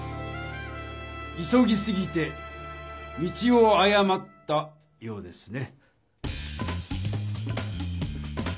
急ぎすぎて道をあやまったようですね。